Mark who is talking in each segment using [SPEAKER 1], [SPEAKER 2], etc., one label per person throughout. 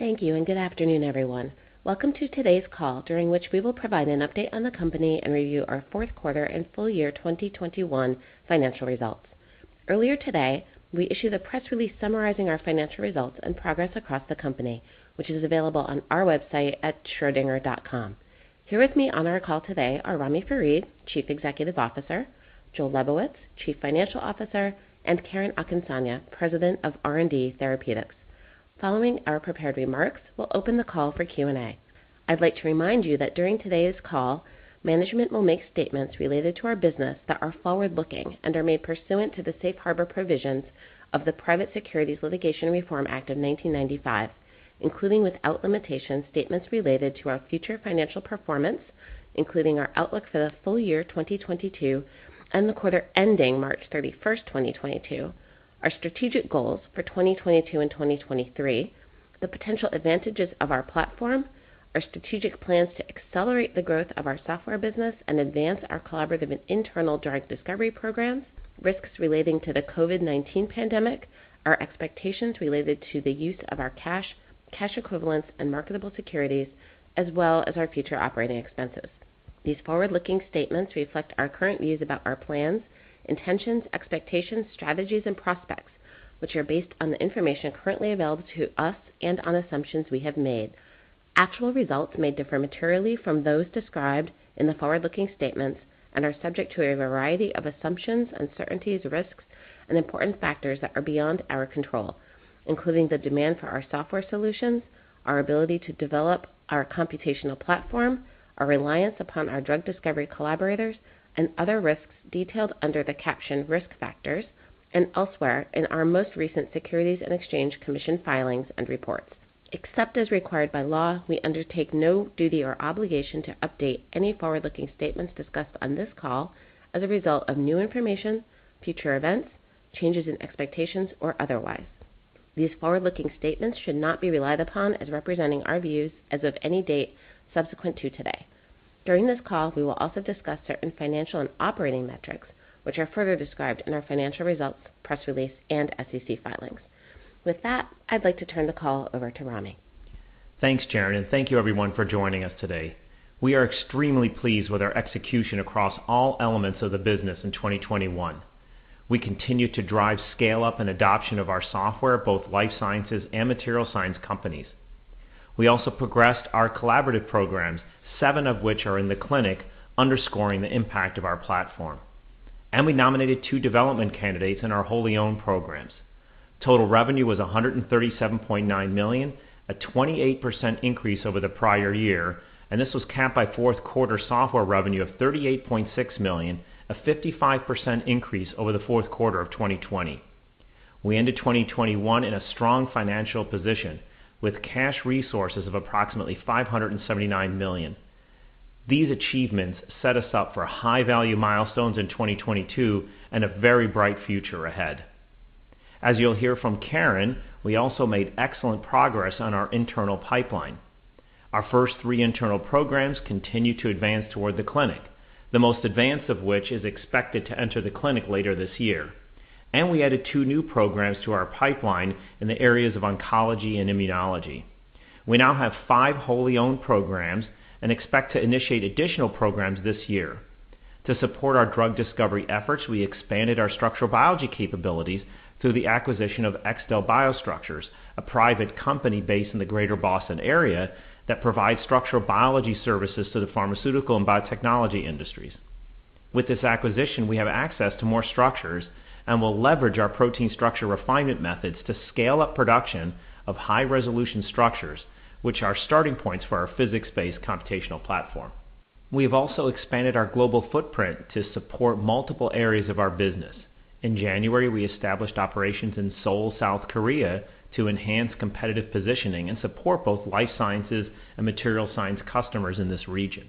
[SPEAKER 1] Thank you and good afternoon, everyone. Welcome to today's call, during which we will provide an update on the company and review our fourth quarter and full year 2021 financial results. Earlier today, we issued a press release summarizing our financial results and progress across the company, which is available on our website at schrodinger.com. Here with me on our call today are Ramy Farid, Chief Executive Officer, Joel Lebowitz, Chief Financial Officer, and Karen Akinsanya, President of R&D Therapeutics. Following our prepared remarks, we'll open the call for Q&A. I'd like to remind you that during today's call, management will make statements related to our business that are forward-looking and are made pursuant to the safe harbor provisions of the Private Securities Litigation Reform Act of 1995, including without limitation, statements related to our future financial performance, including our outlook for the full year 2022 and the quarter ending March 31, 2022. Our strategic goals for 2022 and 2023, the potential advantages of our platform, our strategic plans to accelerate the growth of our software business and advance our collaborative and internal drug discovery programs, risks relating to the COVID-19 pandemic, our expectations related to the use of our cash equivalents, and marketable securities, as well as our future operating expenses. These forward-looking statements reflect our current views about our plans, intentions, expectations, strategies, and prospects, which are based on the information currently available to us and on assumptions we have made. Actual results may differ materially from those described in the forward-looking statements and are subject to a variety of assumptions, uncertainties, risks, and important factors that are beyond our control, including the demand for our software solutions, our ability to develop our computational platform, our reliance upon our drug discovery collaborators, and other risks detailed under the captioned risk factors and elsewhere in our most recent Securities and Exchange Commission filings and reports. Except as required by law, we undertake no duty or obligation to update any forward-looking statements discussed on this call as a result of new information, future events, changes in expectations, or otherwise. These forward-looking statements should not be relied upon as representing our views as of any date subsequent to today. During this call, we will also discuss certain financial and operating metrics, which are further described in our financial results, press release, and SEC filings. With that, I'd like to turn the call over to Ramy.
[SPEAKER 2] Thanks, Karen, and thank you everyone for joining us today. We are extremely pleased with our execution across all elements of the business in 2021. We continue to drive scale up and adoption of our software, both life sciences and materials science companies. We also progressed our collaborative programs, seven of which are in the clinic, underscoring the impact of our platform. We nominated two development candidates in our wholly owned programs. Total revenue was $137.9 million, a 28% increase over the prior year, and this was capped by fourth quarter software revenue of $38.6 million, a 55% increase over the fourth quarter of 2020. We ended 2021 in a strong financial position with cash resources of approximately $579 million. These achievements set us up for high value milestones in 2022 and a very bright future ahead. As you'll hear from Karen, we also made excellent progress on our internal pipeline. Our first three internal programs continue to advance toward the clinic, the most advanced of which is expected to enter the clinic later this year. We added two new programs to our pipeline in the areas of oncology and immunology. We now have five wholly owned programs and expect to initiate additional programs this year. To support our drug discovery efforts, we expanded our structural biology capabilities through the acquisition of XTAL BioStructures, a private company based in the Greater Boston area that provides structural biology services to the pharmaceutical and biotechnology industries. With this acquisition, we have access to more structures and will leverage our protein structure refinement methods to scale up production of high resolution structures, which are starting points for our physics-based computational platform. We have also expanded our global footprint to support multiple areas of our business. In January, we established operations in Seoul, South Korea, to enhance competitive positioning and support both life sciences and material science customers in this region.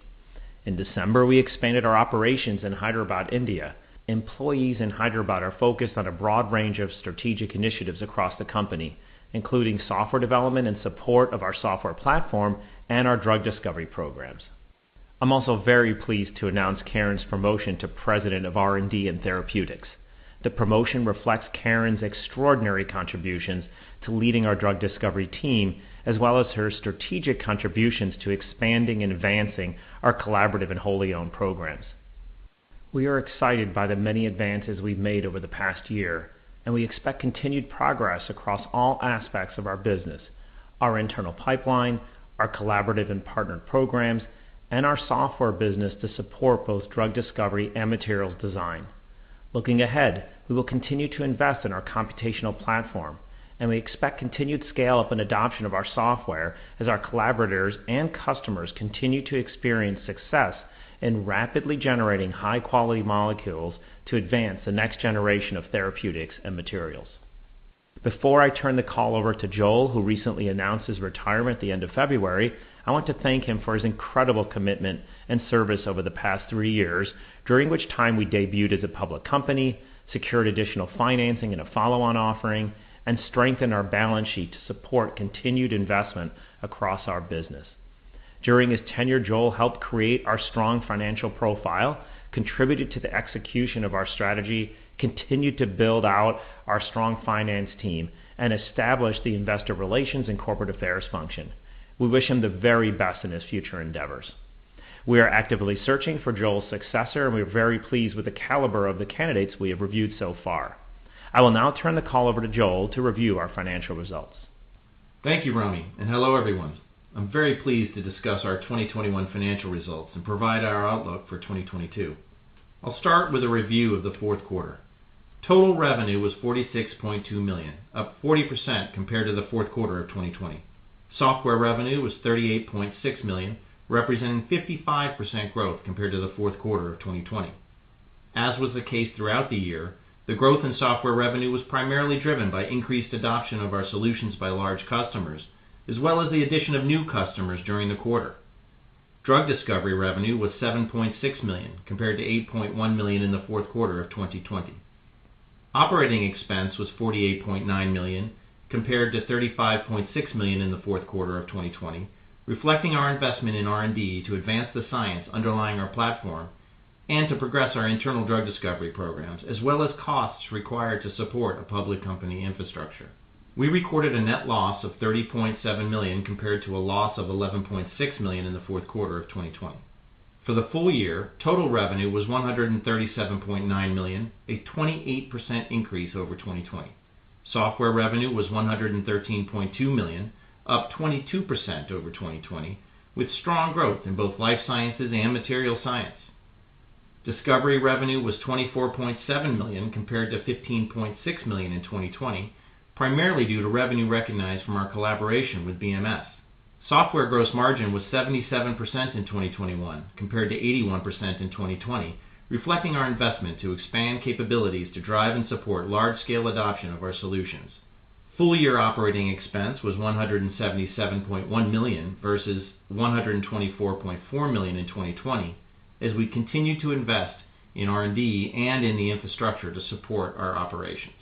[SPEAKER 2] In December, we expanded our operations in Hyderabad, India. Employees in Hyderabad are focused on a broad range of strategic initiatives across the company, including software development and support of our software platform and our drug discovery programs. I'm also very pleased to announce Karen's promotion to President of R&D Therapeutics. The promotion reflects Karen extraordinary contributions to leading our drug discovery team, as well as her strategic contributions to expanding and advancing our collaborative and wholly owned programs. We are excited by the many advances we've made over the past year, and we expect continued progress across all aspects of our business, our internal pipeline, our collaborative and partnered programs, and our software business to support both drug discovery and materials design. Looking ahead, we will continue to invest in our computational platform, and we expect continued scale up and adoption of our software as our collaborators and customers continue to experience success in rapidly generating high-quality molecules to advance the next generation of therapeutics and materials. Before I turn the call over to Joel, who recently announced his retirement at the end of February, I want to thank him for his incredible commitment and service over the past three years, during which time we debuted as a public company, secured additional financing in a follow-on offering, and strengthened our balance sheet to support continued investment across our business. During his tenure, Joel helped create our strong financial profile, contributed to the execution of our strategy, continued to build out our strong finance team, and established the investor relations and corporate affairs function. We wish him the very best in his future endeavors. We are actively searching for Joel's successor, and we are very pleased with the caliber of the candidates we have reviewed so far. I will now turn the call over to Joel to review our financial results.
[SPEAKER 3] Thank you, Ramy, and hello, everyone. I'm very pleased to discuss our 2021 financial results and provide our outlook for 2022. I'll start with a review of the fourth quarter. Total revenue was $46.2 million, up 40% compared to the fourth quarter of 2020. Software revenue was $38.6 million, representing 55% growth compared to the fourth quarter of 2020. As was the case throughout the year, the growth in software revenue was primarily driven by increased adoption of our solutions by large customers, as well as the addition of new customers during the quarter. Drug discovery revenue was $7.6 million, compared to $8.1 million in the fourth quarter of 2020. Operating expense was $48.9 million compared to $35.6 million in the fourth quarter of 2020, reflecting our investment in R&D to advance the science underlying our platform and to progress our internal drug discovery programs, as well as costs required to support a public company infrastructure. We recorded a net loss of $30.7 million compared to a loss of $11.6 million in the fourth quarter of 2020. For the full year, total revenue was $137.9 million, a 28% increase over 2020. Software revenue was $113.2 million, up 22% over 2020, with strong growth in both life sciences and material science. Discovery revenue was $24.7 million compared to $15.6 million in 2020, primarily due to revenue recognized from our collaboration with BMS. Software gross margin was 77% in 2021 compared to 81% in 2020, reflecting our investment to expand capabilities to drive and support large-scale adoption of our solutions. Full-year operating expense was $177.1 million versus $124.4 million in 2020 as we continue to invest in R&D and in the infrastructure to support our operations.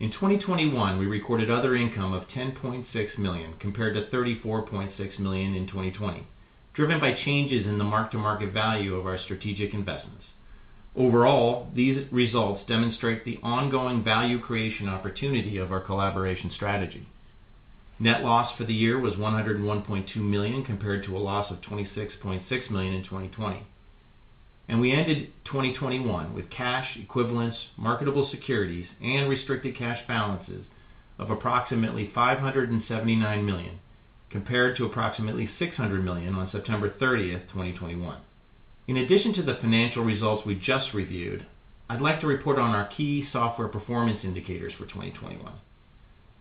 [SPEAKER 3] In 2021, we recorded other income of $10.6 million compared to $34.6 million in 2020, driven by changes in the mark-to-market value of our strategic investments. Overall, these results demonstrate the ongoing value creation opportunity of our collaboration strategy. Net loss for the year was $101.2 million compared to a loss of $26.6 million in 2020. We ended 2021 with cash equivalents, marketable securities, and restricted cash balances of approximately $579 million, compared to approximately $600 million on September 30, 2021. In addition to the financial results we just reviewed, I'd like to report on our key software performance indicators for 2021.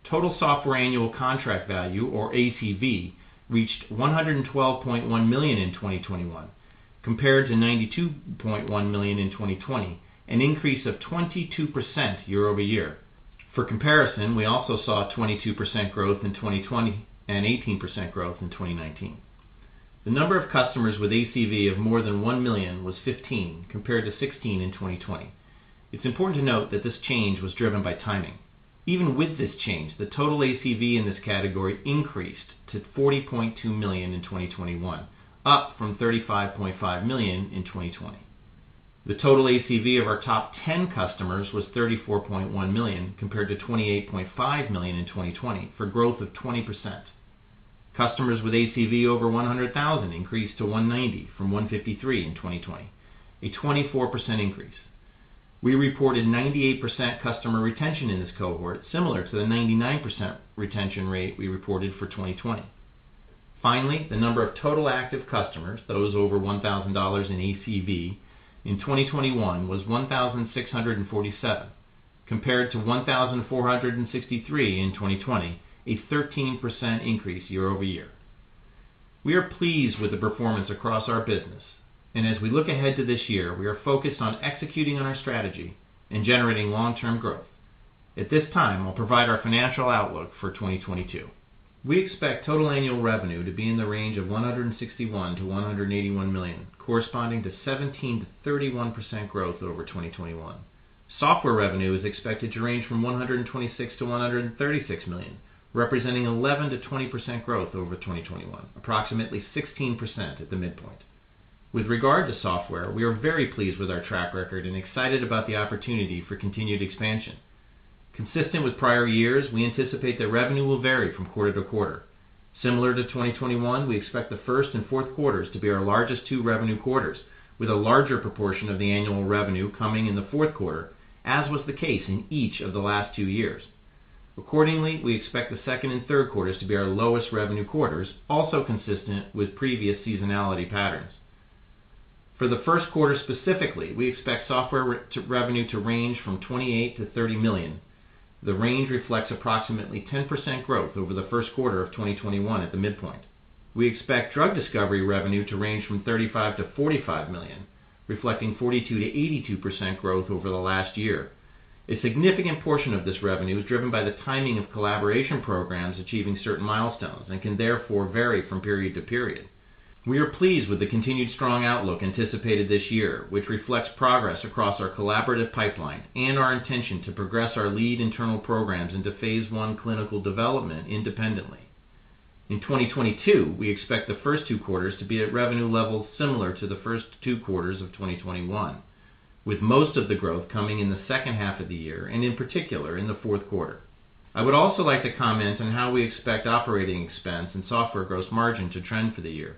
[SPEAKER 3] Total software annual contract value, or ACV, reached $112.1 million in 2021 compared to $92.1 million in 2020, an increase of 22% year-over-year. For comparison, we also saw a 22% growth in 2020 and 18% growth in 2019. The number of customers with ACV of more than $1 million was 15 compared to 16 in 2020. It's important to note that this change was driven by timing. Even with this change, the total ACV in this category increased to $40.2 million in 2021, up from $35.5 million in 2020. The total ACV of our top 10 customers was $34.1 million compared to $28.5 million in 2020 for growth of 20%. Customers with ACV over 100,000 increased to 190 from 153 in 2020, a 24% increase. We reported 98% customer retention in this cohort, similar to the 99% retention rate we reported for 2020. Finally, the number of total active customers, those over $1,000 in ACV, in 2021 was 1,647 compared to 1,463 in 2020, a 13% increase year-over-year. We are pleased with the performance across our business. As we look ahead to this year, we are focused on executing on our strategy and generating long-term growth. At this time, I'll provide our financial outlook for 2022. We expect total annual revenue to be in the range of $161 million-$181 million, corresponding to 17%-31% growth over 2021. Software revenue is expected to range from $126 million-$136 million, representing 11%-20% growth over 2021, approximately 16% at the midpoint. With regard to software, we are very pleased with our track record and excited about the opportunity for continued expansion. Consistent with prior years, we anticipate that revenue will vary from quarter to quarter. Similar to 2021, we expect the first and fourth quarters to be our largest two revenue quarters, with a larger proportion of the annual revenue coming in the fourth quarter, as was the case in each of the last two years. Accordingly, we expect the second and third quarters to be our lowest revenue quarters, also consistent with previous seasonality patterns. For the first quarter, specifically, we expect software revenue to range from $28 million-$30 million. The range reflects approximately 10% growth over the first quarter of 2021 at the midpoint. We expect drug discovery revenue to range from $35 million-$45 million, reflecting 42%-82% growth over the last year. A significant portion of this revenue is driven by the timing of collaboration programs achieving certain milestones and can therefore vary from period to period. We are pleased with the continued strong outlook anticipated this year, which reflects progress across our collaborative pipeline and our intention to progress our lead internal programs into phase I clinical development independently. In 2022, we expect the first two quarters to be at revenue levels similar to the first two quarters of 2021, with most of the growth coming in the second half of the year and in particular, in the fourth quarter. I would also like to comment on how we expect operating expense and software gross margin to trend for the year.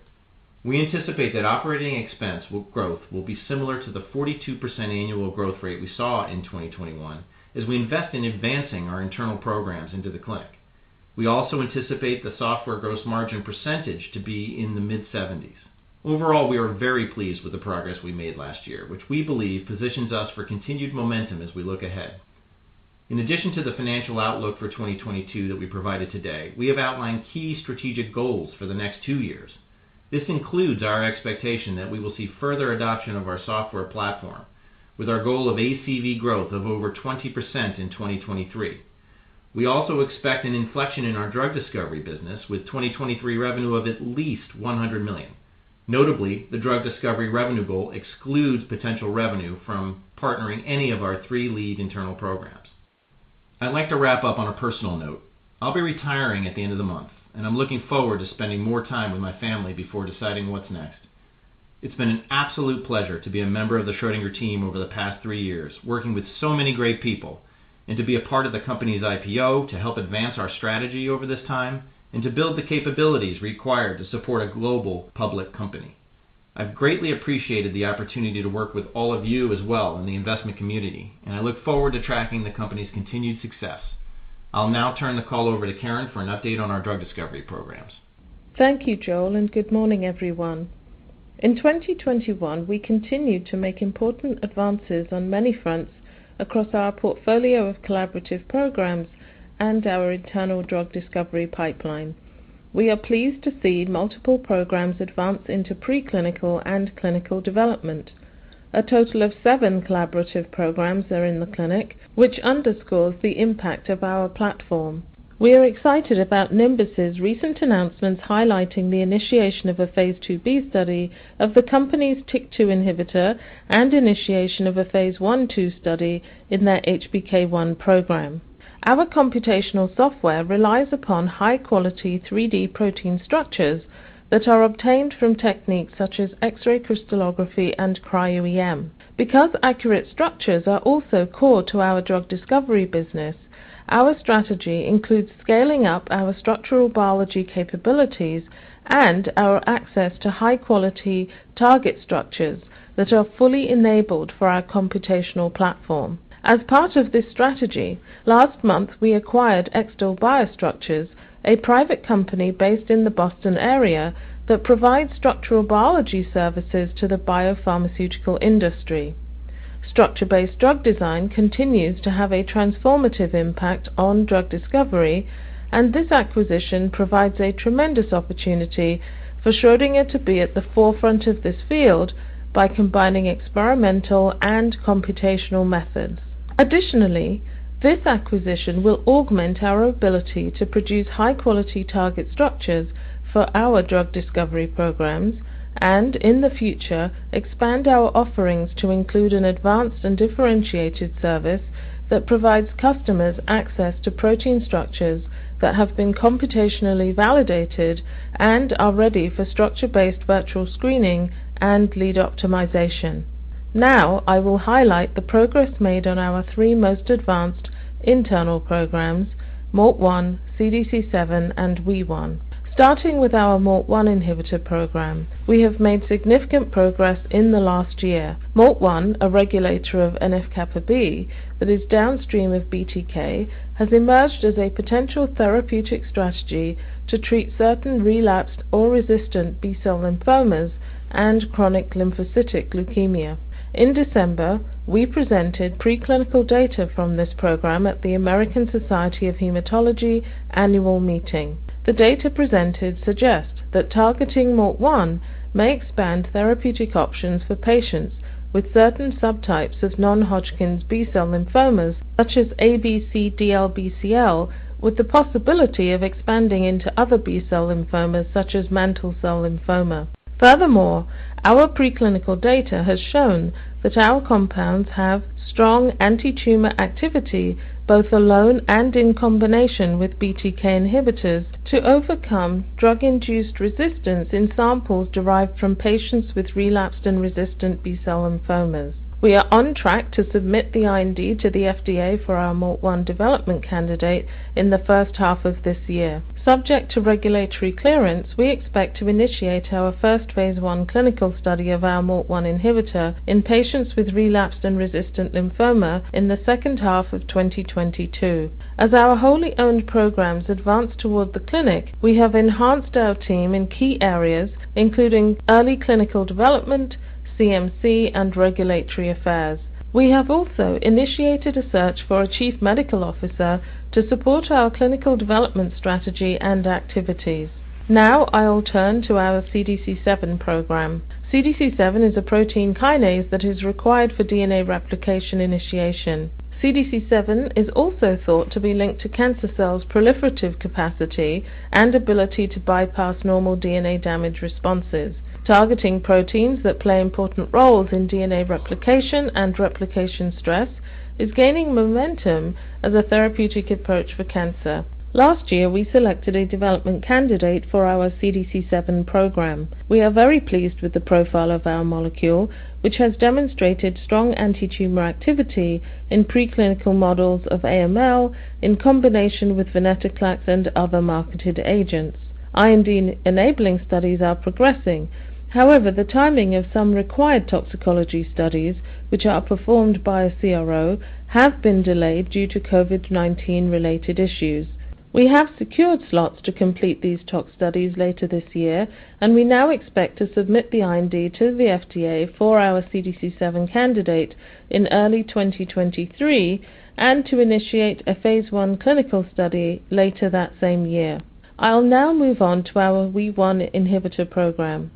[SPEAKER 3] We anticipate that operating expense growth will be similar to the 42% annual growth rate we saw in 2021, as we invest in advancing our internal programs into the clinic. We also anticipate the software gross margin percentage to be in the mid-70s%. Overall, we are very pleased with the progress we made last year, which we believe positions us for continued momentum as we look ahead. In addition to the financial outlook for 2022 that we provided today, we have outlined key strategic goals for the next two years. This includes our expectation that we will see further adoption of our software platform with our goal of ACV growth of over 20% in 2023. We also expect an inflection in our drug discovery business with 2023 revenue of at least $100 million. Notably, the drug discovery revenue goal excludes potential revenue from partnering any of our three lead internal programs. I'd like to wrap up on a personal note. I'll be retiring at the end of the month, and I'm looking forward to spending more time with my family before deciding what's next. It's been an absolute pleasure to be a member of the Schrödinger team over the past three years, working with so many great people, and to be a part of the company's IPO to help advance our strategy over this time and to build the capabilities required to support a global public company. I've greatly appreciated the opportunity to work with all of you as well in the investment community, and I look forward to tracking the company's continued success. I'll now turn the call over to Karen for an update on our drug discovery programs.
[SPEAKER 1] Thank you, Joel, and good morning, everyone. In 2021, we continued to make important advances on many fronts across our portfolio of collaborative programs and our internal drug discovery pipeline. We are pleased to see multiple programs advance into preclinical and clinical development. A total of seven collaborative programs are in the clinic, which underscores the impact of our platform. We are excited about Nimbus's recent announcements highlighting the initiation of a phase IIB study of the company's TYK2 inhibitor and initiation of a phase I/II study in their HPK1 program. Our computational software relies upon high-quality 3D protein structures that are obtained from techniques such as X-ray crystallography and cryo-EM. Because accurate structures are also core to our drug discovery business, our strategy includes scaling up our structural biology capabilities and our access to high-quality target structures that are fully enabled for our computational platform. As part of this strategy, last month we acquired XTAL BioStructures, a private company based in the Boston area that provides structural biology services to the biopharmaceutical industry. Structure-based drug design continues to have a transformative impact on drug discovery, and this acquisition provides a tremendous opportunity for Schrödinger to be at the forefront of this field by combining experimental and computational methods. Additionally, this acquisition will augment our ability to produce high-quality target structures for our drug discovery programs and, in the future, expand our offerings to include an advanced and differentiated service that provides customers access to protein structures that have been computationally validated and are ready for structure-based virtual screening and lead optimization. Now, I will highlight the progress made on our three most advanced internal programs, MALT1, CDC7, and Wee1. Starting with our MALT1 inhibitor program. We have made significant progress in the last year. MALT1, a regulator of NF-κB that is downstream of BTK, has emerged as a potential therapeutic strategy to treat certain relapsed or resistant B-cell lymphomas and chronic lymphocytic leukemia. In December, we presented preclinical data from this program at the American Society of Hematology annual meeting. The data presented suggest that targeting MALT1 may expand therapeutic options for patients with certain subtypes of non-Hodgkin's B-cell lymphomas, such as ABC-DLBCL, with the possibility of expanding into other B-cell lymphomas, such as mantle cell lymphoma. Furthermore, our preclinical data has shown that our compounds have strong antitumor activity, both alone and in combination with BTK inhibitors to overcome drug-induced resistance in samples derived from patients with relapsed and resistant B-cell lymphomas. We are on track to submit the IND to the FDA for our MALT1 development candidate in the first half of this year. Subject to regulatory clearance, we expect to initiate our first phase I clinical study of our MALT1 inhibitor in patients with relapsed and resistant lymphoma in the second half of 2022. As our wholly owned programs advance toward the clinic, we have enhanced our team in key areas, including early clinical development, CMC, and regulatory affairs. We have also initiated a search for a chief medical officer to support our clinical development strategy and activities. Now I'll turn to our CDC7 program. CDC7 is a protein kinase that is required for DNA replication initiation. CDC7 is also thought to be linked to cancer cells' proliferative capacity and ability to bypass normal DNA damage responses. Targeting proteins that play important roles in DNA replication and replication stress is gaining momentum as a therapeutic approach for cancer. Last year, we selected a development candidate for our CDC7 program. We are very pleased with the profile of our molecule, which has demonstrated strong antitumor activity in preclinical models of AML in combination with venetoclax and other marketed agents. IND-enabling studies are progressing. However, the timing of some required toxicology studies, which are performed by a CRO, have been delayed due to COVID-19 related issues. We have secured slots to complete these tox studies later this year, and we now expect to submit the IND to the FDA for our CDC7 candidate in early 2023 and to initiate a phase I clinical study later that same year. I'll now move on to our Wee1 inhibitor program,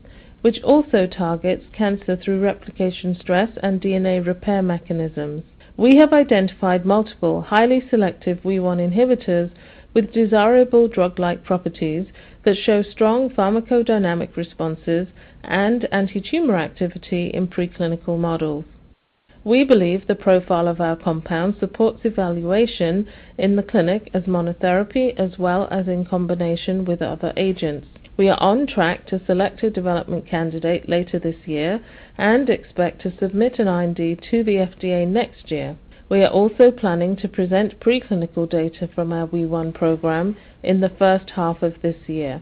[SPEAKER 1] which also targets cancer through replication stress and DNA repair mechanisms. We have identified multiple highly selective Wee1 inhibitors with desirable drug-like properties that show strong pharmacodynamic responses and antitumor activity in preclinical models. We believe the profile of our compound supports evaluation in the clinic as monotherapy as well as in combination with other agents. We are on track to select a development candidate later this year and expect to submit an IND to the FDA next year. We are also planning to present preclinical data from our Wee1 program in the first half of this year.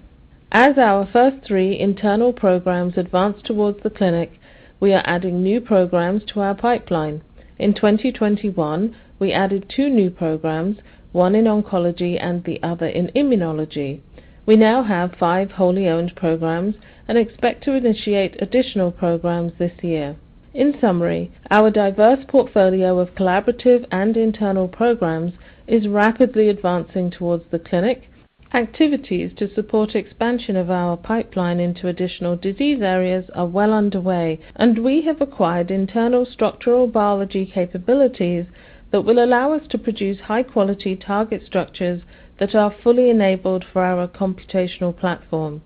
[SPEAKER 1] As our first three internal programs advance towards the clinic, we are adding new programs to our pipeline. In 2021, we added two new programs, one in oncology and the other in immunology. We now have five wholly owned programs and expect to initiate additional programs this year. In summary, our diverse portfolio of collaborative and internal programs is rapidly advancing towards the clinic. Activities to support expansion of our pipeline into additional disease areas are well underway, and we have acquired internal structural biology capabilities that will allow us to produce high-quality target structures that are fully enabled for our computational platform.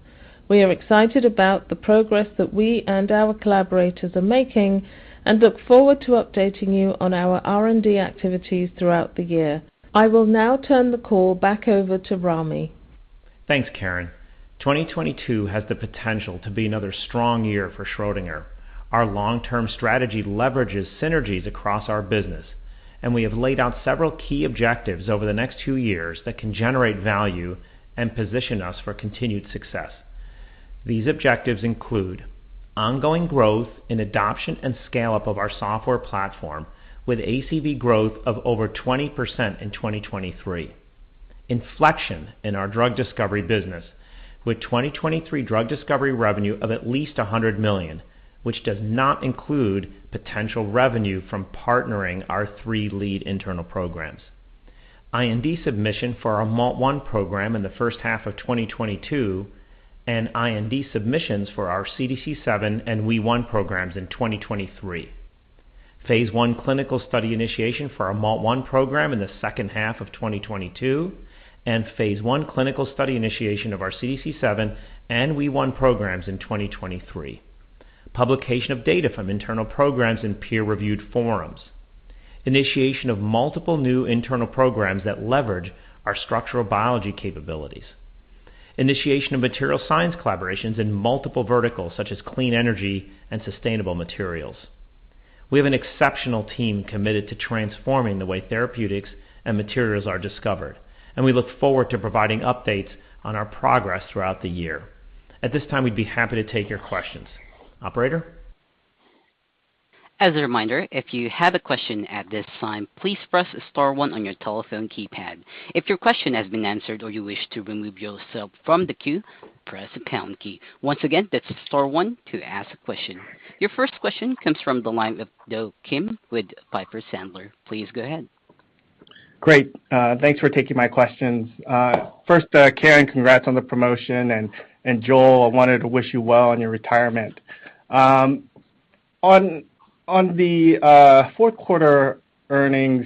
[SPEAKER 1] We are excited about the progress that we and our collaborators are making and look forward to updating you on our R&D activities throughout the year. I will now turn the call back over to Ramy.
[SPEAKER 2] Thanks, Karen. 2022 has the potential to be another strong year for Schrödinger. Our long-term strategy leverages synergies across our business, and we have laid out several key objectives over the next two years that can generate value and position us for continued success. These objectives include ongoing growth in adoption and scale up of our software platform with ACV growth of over 20% in 2023. Inflection in our drug discovery business with 2023 drug discovery revenue of at least $100 million, which does not include potential revenue from partnering our three lead internal programs. IND submission for our MALT1 program in the first half of 2022 and IND submissions for our CDC7 and Wee1 programs in 2023. Phase I clinical study initiation for our MALT1 program in the second half of 2022 and phase I clinical study initiation of our CDC7 and Wee1 programs in 2023. Publication of data from internal programs in peer-reviewed forums. Initiation of multiple new internal programs that leverage our structural biology capabilities. Initiation of material science collaborations in multiple verticals such as clean energy and sustainable materials. We have an exceptional team committed to transforming the way therapeutics and materials are discovered, and we look forward to providing updates on our progress throughout the year. At this time, we'd be happy to take your questions. Operator.
[SPEAKER 4] As a reminder, if you have a question at this time, please press star one on your telephone keypad. If your question has been answered or you wish to remove yourself from the queue, press the pound key. Once again, that's star one to ask a question. Your first question comes from the line of Do Kim with Piper Sandler. Please go ahead.
[SPEAKER 5] Great. Thanks for taking my questions. First, Karen, congrats on the promotion, and Joel, I wanted to wish you well on your retirement. On the fourth quarter earnings,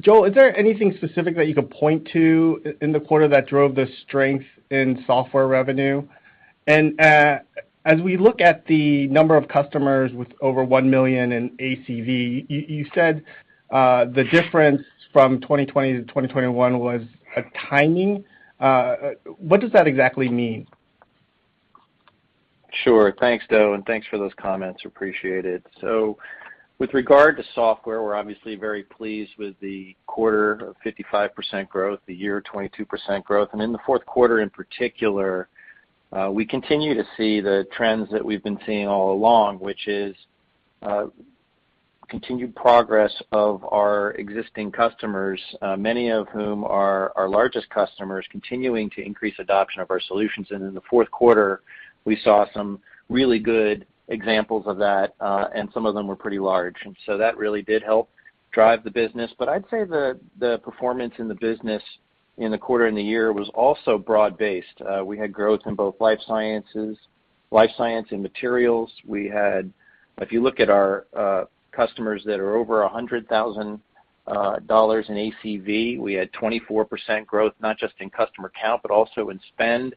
[SPEAKER 5] Joel, is there anything specific that you could point to in the quarter that drove the strength in software revenue? As we look at the number of customers with over $1 million in ACV, you said the difference from 2020 to 2021 was a timing. What does that exactly mean?
[SPEAKER 3] Sure. Thanks, Do, and thanks for those comments. Appreciate it. With regard to software, we're obviously very pleased with the quarter of 55% growth, the year 22% growth. In the fourth quarter, in particular, we continue to see the trends that we've been seeing all along, which is continued progress of our existing customers, many of whom are our largest customers continuing to increase adoption of our solutions. In the fourth quarter, we saw some really good examples of that, and some of them were pretty large. That really did help drive the business. I'd say the performance in the business in the quarter and the year was also broad-based. We had growth in both life sciences and materials. If you look at our customers that are over $100,000 in ACV, we had 24% growth, not just in customer count, but also in spend.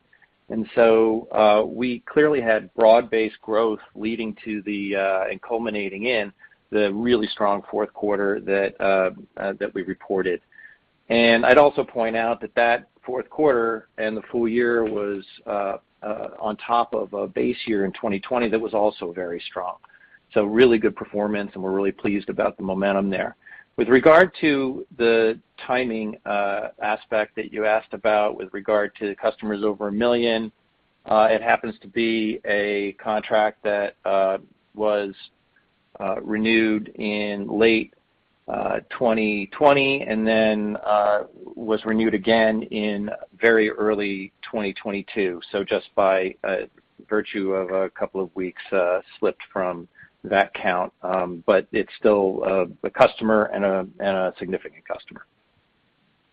[SPEAKER 3] We clearly had broad-based growth leading to the and culminating in the really strong fourth quarter that we reported. I'd also point out that fourth quarter and the full year was on top of a base year in 2020 that was also very strong. Really good performance, and we're really pleased about the momentum there. With regard to the timing aspect that you asked about with regard to customers over $1 million, it happens to be a contract that was, renewed in late 2020, and then was renewed again in very early 2022. Just by virtue of a couple of weeks, slipped from that count. It's still a customer and a significant customer.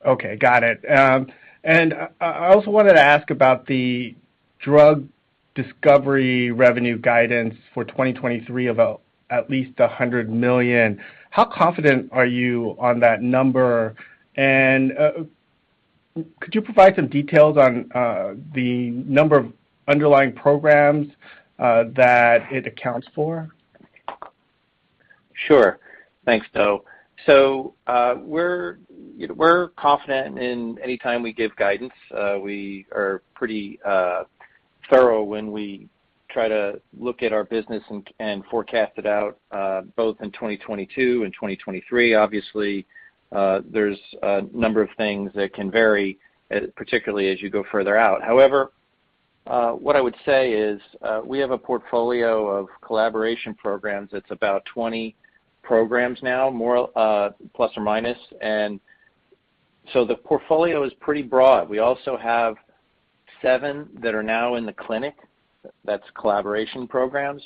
[SPEAKER 5] Okay, got it. I also wanted to ask about the drug discovery revenue guidance for 2023 about at least $100 million. How confident are you on that number? Could you provide some details on the number of underlying programs that it accounts for?
[SPEAKER 3] Sure. Thanks, Do. We're, you know, confident in any time we give guidance. We are pretty thorough when we try to look at our business and forecast it out, both in 2022 and 2023. Obviously, there's a number of things that can vary, particularly as you go further out. However, what I would say is, we have a portfolio of collaboration programs that's about 20 programs now, more, plus or minus. The portfolio is pretty broad. We also have seven that are now in the clinic, that's collaboration programs.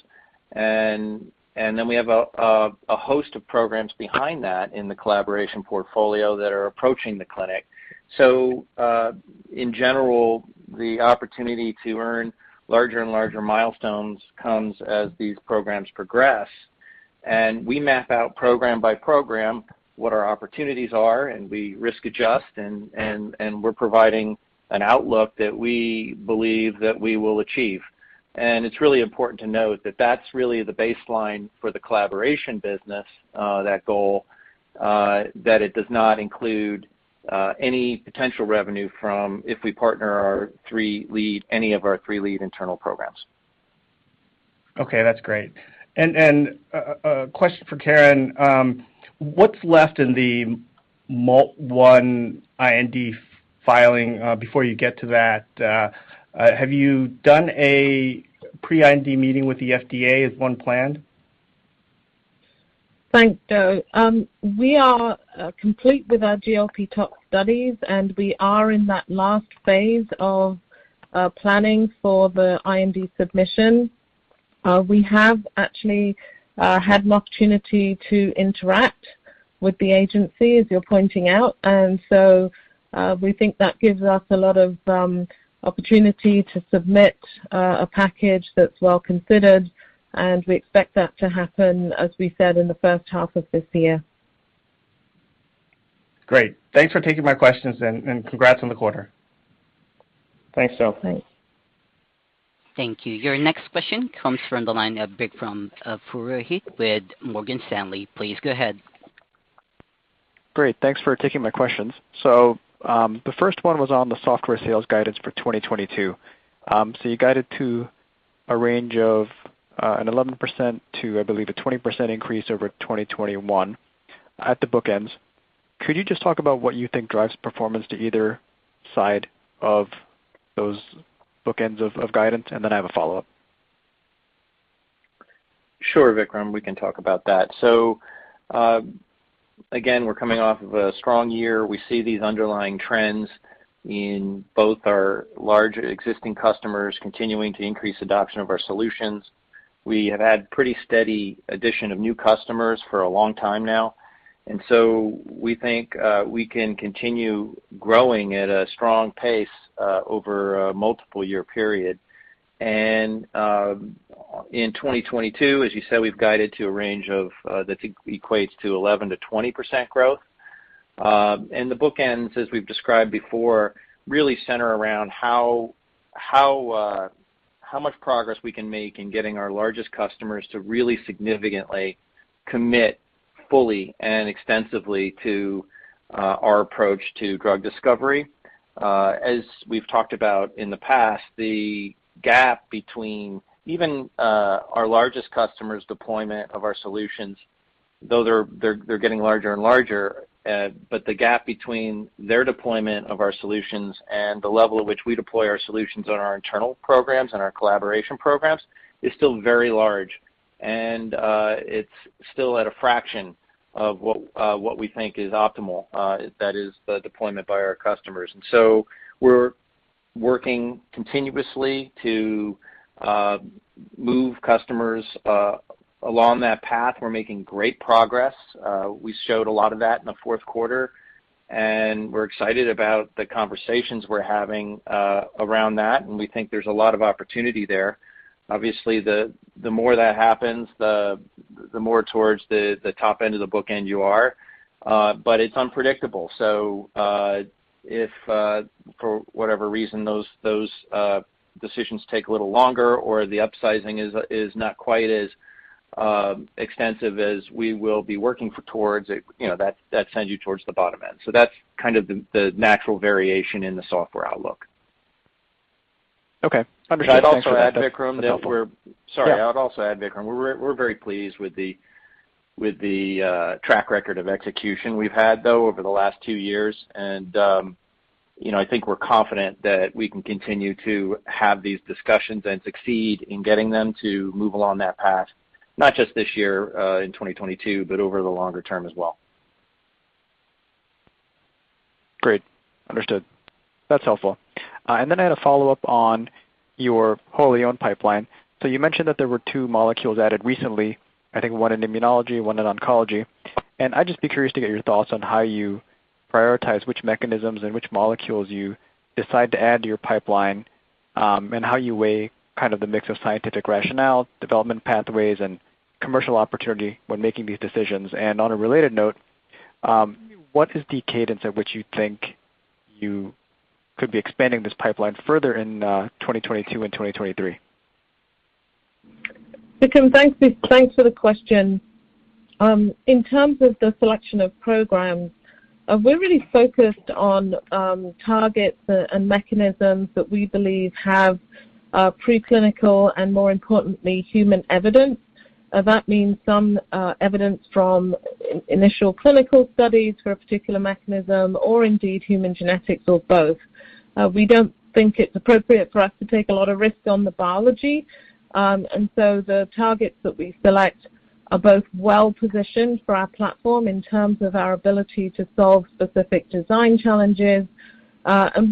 [SPEAKER 3] And then we have a host of programs behind that in the collaboration portfolio that are approaching the clinic. In general, the opportunity to earn larger and larger milestones comes as these programs progress. We map out program by program what our opportunities are, and we risk adjust and we're providing an outlook that we believe that we will achieve. It's really important to note that that's really the baseline for the collaboration business, that goal that it does not include any potential revenue from if we partner any of our three lead internal programs.
[SPEAKER 5] Okay, that's great. A question for Karen. What's left in the MALT1 IND filing before you get to that? Have you done a pre-IND meeting with the FDA as planned?
[SPEAKER 1] Thanks, Do. We are complete with our GLP tox studies, and we are in that last phase of planning for the IND submission. We have actually had an opportunity to interact with the agency as you're pointing out. We think that gives us a lot of opportunity to submit a package that's well considered, and we expect that to happen, as we said, in the first half of this year.
[SPEAKER 5] Great. Thanks for taking my questions and congrats on the quarter.
[SPEAKER 3] Thanks, Do.
[SPEAKER 1] Thanks.
[SPEAKER 4] Thank you. Your next question comes from the line of Vikram Purohit with Morgan Stanley. Please go ahead.
[SPEAKER 6] Great. Thanks for taking my questions. The first one was on the software sales guidance for 2022. You guided to a range of an 11% to, I believe, a 20% increase over 2021 at the bookends. Could you just talk about what you think drives performance to either side of those bookends of guidance? Then I have a follow-up.
[SPEAKER 3] Sure, Vikram, we can talk about that. Again, we're coming off of a strong year. We see these underlying trends in both our large existing customers continuing to increase adoption of our solutions. We have had pretty steady addition of new customers for a long time now. We think we can continue growing at a strong pace over a multiple year period. In 2022, as you said, we've guided to a range of that equates to 11%-20% growth. The bookends, as we've described before, really center around how much progress we can make in getting our largest customers to really significantly commit fully and extensively to our approach to drug discovery. As we've talked about in the past, the gap between even our largest customers' deployment of our solutions, though they're getting larger and larger, but the gap between their deployment of our solutions and the level at which we deploy our solutions on our internal programs and our collaboration programs is still very large. It's still at a fraction of what we think is optimal, that is the deployment by our customers. We're working continuously to move customers along that path. We're making great progress. We showed a lot of that in the fourth quarter, and we're excited about the conversations we're having around that, and we think there's a lot of opportunity there. Obviously, the more that happens, the more towards the top end of the bookend you are, but it's unpredictable. If for whatever reason, those decisions take a little longer or the upsizing is not quite as extensive as we will be working towards, you know, that sends you towards the bottom end. That's kind of the natural variation in the software outlook.
[SPEAKER 6] Okay. Understood.
[SPEAKER 3] I would also add, Vikram, we're very pleased with the track record of execution we've had, though, over the last two years. You know, I think we're confident that we can continue to have these discussions and succeed in getting them to move along that path, not just this year, in 2022, but over the longer term as well.
[SPEAKER 6] Great. Understood. That's helpful. I had a follow-up on your wholly-owned pipeline. You mentioned that there were two molecules added recently, I think one in immunology, one in oncology. I'd just be curious to get your thoughts on how you prioritize which mechanisms and which molecules you decide to add to your pipeline? And how you weigh kind of the mix of scientific rationale, development pathways, and commercial opportunity when making these decisions? On a related note, what is the cadence at which you think you could be expanding this pipeline further in 2022 and 2023?
[SPEAKER 1] Vikram, thanks for the question. In terms of the selection of programs, we're really focused on targets and mechanisms that we believe have preclinical and more importantly, human evidence. That means some evidence from initial clinical studies for a particular mechanism or indeed human genetics or both. We don't think it's appropriate for us to take a lot of risk on the biology. The targets that we select are both well-positioned for our platform in terms of our ability to solve specific design challenges.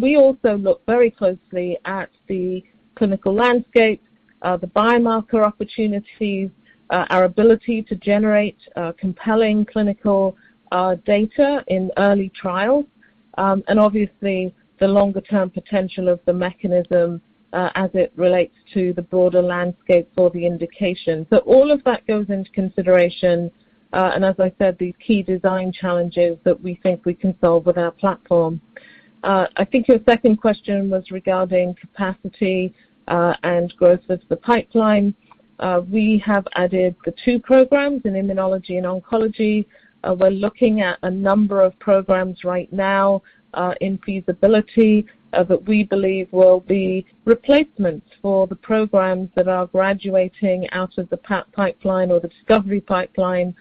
[SPEAKER 1] We also look very closely at the clinical landscape, the biomarker opportunities, our ability to generate compelling clinical data in early trials, and obviously the longer term potential of the mechanism as it relates to the broader landscape for the indication. All of that goes into consideration, and as I said, the key design challenges that we think we can solve with our platform. I think your second question was regarding capacity, and growth of the pipeline. We have added the two programs in immunology and oncology. We're looking at a number of programs right now, in feasibility, that we believe will be replacements for the programs that are graduating out of the pipeline or the discovery pipeline,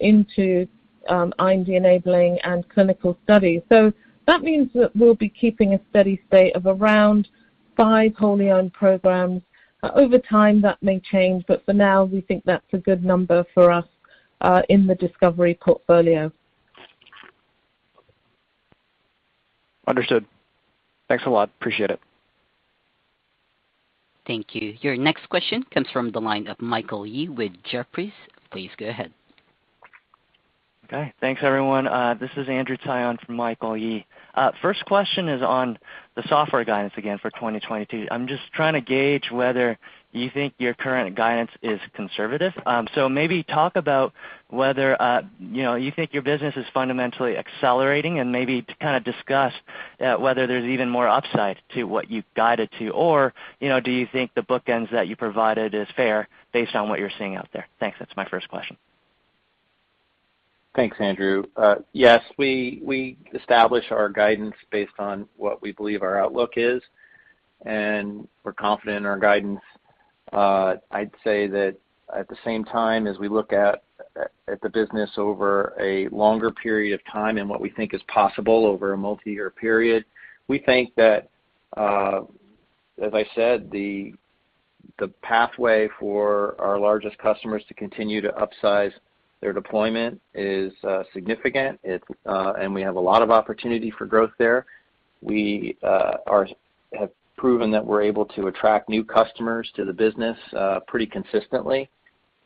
[SPEAKER 1] into IND enabling and clinical studies. That means that we'll be keeping a steady state of around five wholly owned programs. Over time, that may change, but for now, we think that's a good number for us, in the discovery portfolio.
[SPEAKER 6] Understood. Thanks a lot. Appreciate it.
[SPEAKER 4] Thank you. Your next question comes from the line of Michael Yee with Jefferies. Please go ahead.
[SPEAKER 7] Okay. Thanks, everyone. This is Andrew Tsai for Michael Yee. First question is on the software guidance again for 2022. I'm just trying to gauge whether you think your current guidance is conservative. So maybe talk about whether, you know, you think your business is fundamentally accelerating and maybe to kind of discuss, whether there's even more upside to what you've guided to, or, you know, do you think the bookends that you provided is fair based on what you're seeing out there? Thanks. That's my first question.
[SPEAKER 3] Thanks, Andrew. Yes, we establish our guidance based on what we believe our outlook is, and we're confident in our guidance. I'd say that at the same time, as we look at the business over a longer period of time and what we think is possible over a multi-year period. We think that, as I said, the pathway for our largest customers to continue to upsize their deployment is significant. It and we have a lot of opportunity for growth there. We have proven that we're able to attract new customers to the business pretty consistently.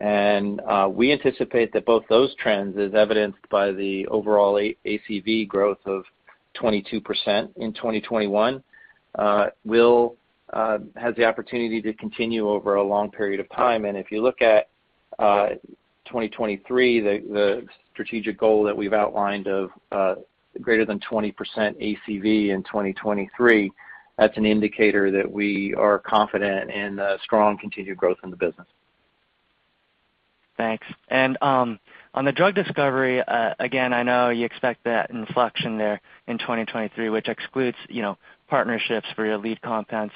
[SPEAKER 3] We anticipate that both those trends is evidenced by the overall ACV growth of 22% in 2021 will have the opportunity to continue over a long period of time. If you look at 2023, the strategic goal that we've outlined of greater than 20% ACV in 2023, that's an indicator that we are confident in the strong continued growth in the business.
[SPEAKER 7] Thanks. On the drug discovery, again, I know you expect that inflection there in 2023, which excludes, you know, partnerships for your lead compounds.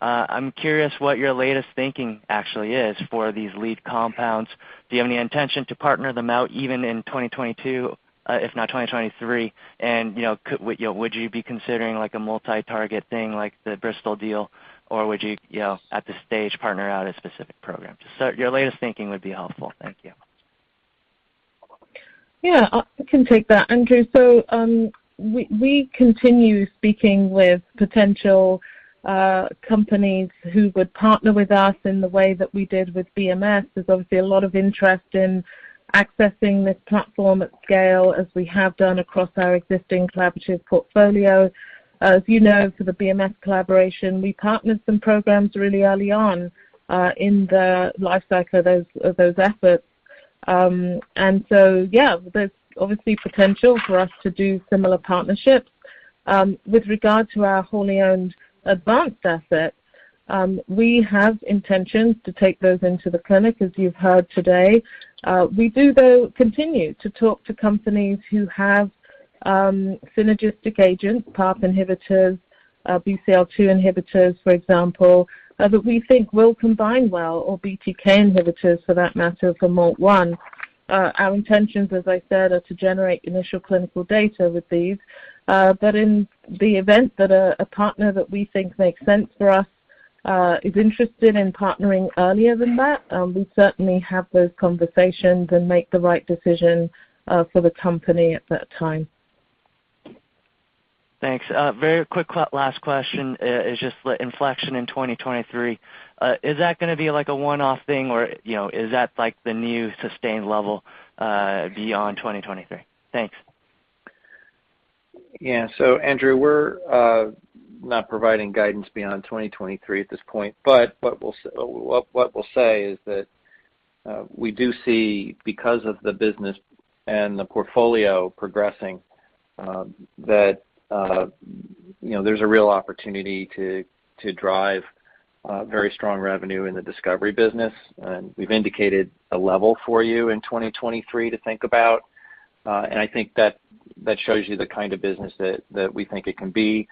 [SPEAKER 7] I'm curious what your latest thinking actually is for these lead compounds? Do you have any intention to partner them out even in 2022, if not 2023? You know, would you be considering like a multi-target thing like the Bristol deal? Or would you know, at this stage, partner out a specific program? Just your latest thinking would be helpful. Thank you.
[SPEAKER 1] Yeah. I can take that, Andrew. We continue speaking with potential companies who would partner with us in the way that we did with BMS. There's obviously a lot of interest in accessing this platform at scale as we have done across our existing collaborative portfolio. As you know, for the BMS collaboration, we partnered some programs really early on in the life cycle of those efforts. Yeah, there's obviously potential for us to do similar partnerships. With regard to our wholly owned advanced assets, we have intentions to take those into the clinic, as you've heard today. We do, though, continue to talk to companies who have synergistic agents, PARP inhibitors, BCL-2 inhibitors, for example, that we think will combine well or BTK inhibitors for that matter for MALT1. Our intentions, as I said, are to generate initial clinical data with these. In the event that a partner that we think makes sense for us is interested in partnering earlier than that, we certainly have those conversations and make the right decision for the company at that time.
[SPEAKER 7] Thanks. Last question is just the inflection in 2023. Is that gonna be like a one-off thing, or, you know, is that like the new sustained level beyond 2023? Thanks.
[SPEAKER 2] Yeah. Andrew, we're not providing guidance beyond 2023 at this point, but what we'll say is that we do see because of the business and the portfolio progressing that you know, there's a real opportunity to drive very strong revenue in the discovery business. We've indicated a level for you in 2023 to think about. I think that shows you the kind of business that we think it can be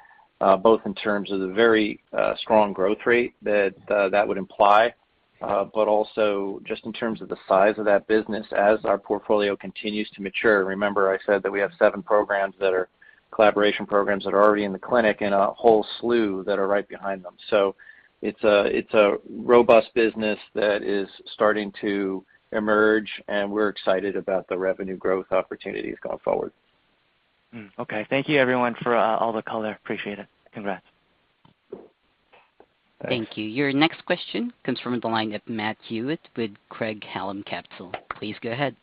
[SPEAKER 2] both in terms of the very strong growth rate that would imply but also just in terms of the size of that business as our portfolio continues to mature. Remember I said that we have seven programs that are collaboration programs that are already in the clinic and a whole slew that are right behind them. It's a robust business that is starting to emerge, and we're excited about the revenue growth opportunities going forward.
[SPEAKER 7] Okay. Thank you everyone for all the color. Appreciate it. Congrats.
[SPEAKER 2] Thanks.
[SPEAKER 4] Thank you. Your next question comes from the line of Matt Hewitt with Craig-Hallum Capital. Please go ahead.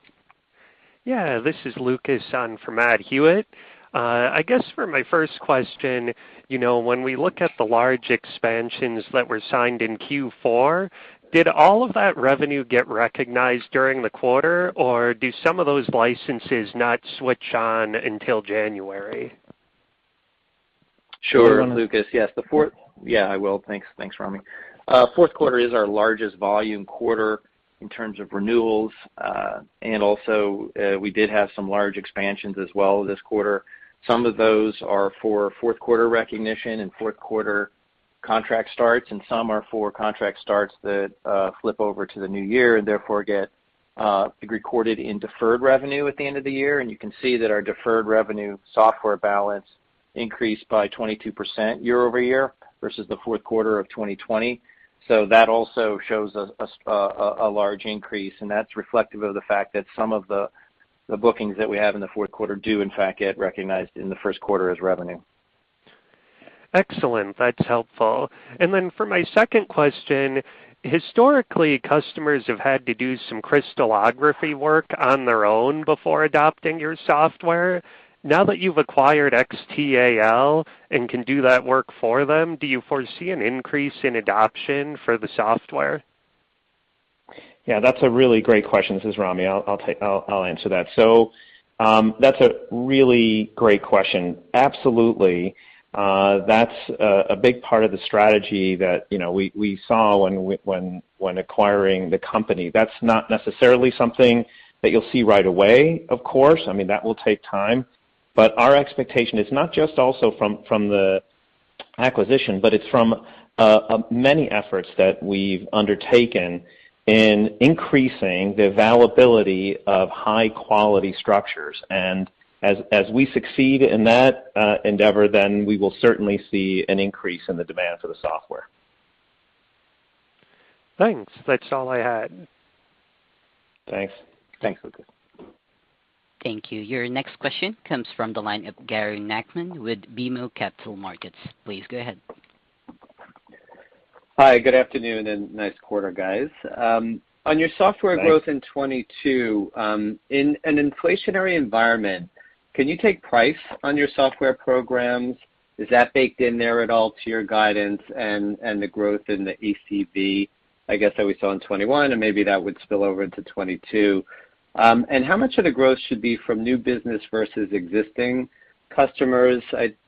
[SPEAKER 8] This is Lucas on for Matt Hewitt. I guess for my first question, you know, when we look at the large expansions that were signed in Q4, did all of that revenue get recognized during the quarter, or do some of those licenses not switch on until January?
[SPEAKER 3] Sure, Lucas. Yes. The four-
[SPEAKER 2] You want to? Yeah, I will. Thanks. Thanks, Ramy. Fourth quarter is our largest volume quarter in terms of renewals. Also, we did have some large expansions as well this quarter. Some of those are for fourth quarter recognition and fourth quarter contract starts, and some are for contract starts that flip over to the new year and therefore get recorded in deferred revenue at the end of the year. You can see that our deferred revenue software balance increased by 22% year-over-year versus the fourth quarter of 2020. That also shows us a large increase, and that's reflective of the fact that some of the bookings that we have in the fourth quarter do in fact get recognized in the first quarter as revenue.
[SPEAKER 8] Excellent. That's helpful. For my second question, historically, customers have had to do some crystallography work on their own before adopting your software? Now that you've acquired XTAL and can do that work for them, do you foresee an increase in adoption for the software?
[SPEAKER 2] Yeah, that's a really great question. This is Ramy. I'll answer that. That's a really great question. Absolutely. That's a big part of the strategy that, you know, we saw when acquiring the company. That's not necessarily something that you'll see right away, of course. I mean, that will take time. Our expectation is not just also from the acquisition, but it's from many efforts that we've undertaken in increasing the availability of high quality structures. As we succeed in that endeavor, then we will certainly see an increase in the demands of the software.
[SPEAKER 8] Thanks. That's all I had.
[SPEAKER 3] Thanks.
[SPEAKER 2] Thanks, Lucas.
[SPEAKER 4] Thank you. Your next question comes from the line of Gary Nachman with BMO Capital Markets. Please go ahead.
[SPEAKER 9] Hi, good afternoon and nice quarter, guys. On your software growth-
[SPEAKER 3] Thanks.
[SPEAKER 9] In 2022, in an inflationary environment, can you take price on your software programs? Is that baked in there at all to your guidance and the growth in the ACV, I guess, that we saw in 2021, and maybe that would spill over into 2022? And how much of the growth should be from new business versus existing customers?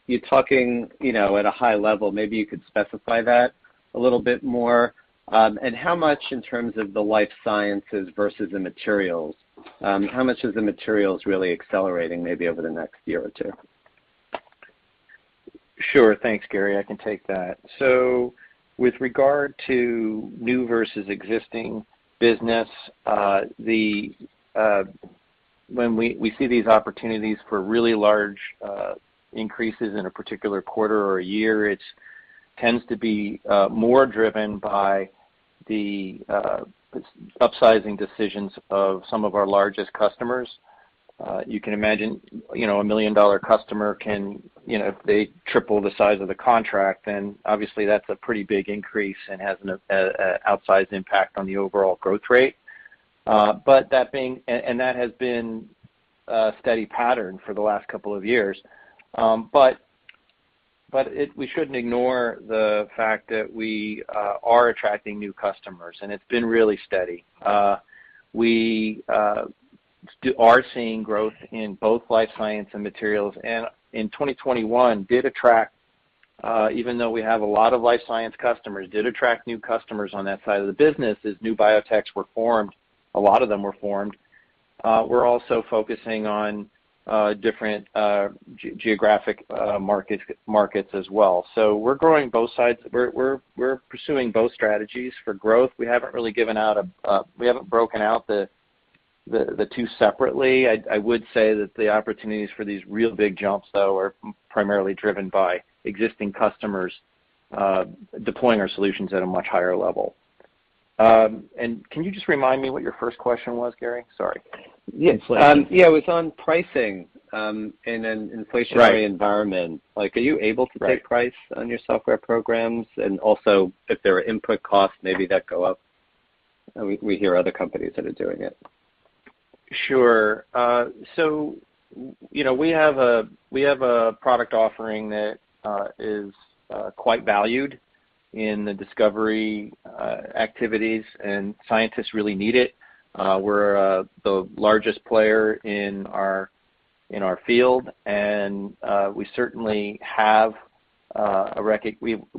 [SPEAKER 9] You're talking, you know, at a high level, maybe you could specify that a little bit more. And how much in terms of the life sciences versus the materials, how much is the materials really accelerating maybe over the next year or two?
[SPEAKER 3] Sure. Thanks, Gary. I can take that. With regard to new versus existing business, when we see these opportunities for really large increases in a particular quarter or a year, it tends to be more driven by the upsizing decisions of some of our largest customers. You can imagine, you know, a $1 million customer can, you know, if they triple the size of the contract, then obviously that's a pretty big increase and has an outsized impact on the overall growth rate. And that has been a steady pattern for the last couple of years. But we shouldn't ignore the fact that we are attracting new customers, and it's been really steady. We are seeing growth in both life science and materials, and in 2021, even though we have a lot of life science customers, we did attract new customers on that side of the business as new biotech's were formed. A lot of them were formed. We're also focusing on different geographic markets as well. We're growing both sides. We're pursuing both strategies for growth. We haven't really broken out the two separately. I would say that the opportunities for these real big jumps though are primarily driven by existing customers deploying our solutions at a much higher level. Can you just remind me what your first question was, Gary? Sorry.
[SPEAKER 9] Yes. Yeah, it was on pricing in an inflationary
[SPEAKER 2] Right.
[SPEAKER 9] environment. Like, are you able to-
[SPEAKER 2] Right.
[SPEAKER 9] take price on your software programs? Also if there are input costs maybe that go up. We hear other companies that are doing it.
[SPEAKER 3] Sure, you know, we have a product offering that is quite valued in the discovery activities, and scientists really need it. We're the largest player in our field, and we're